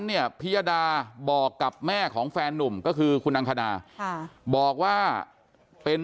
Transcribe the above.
เนี่ยพิยดาบอกกับแม่ของแฟนนุ่มก็คือคุณอังคณาบอกว่าเป็น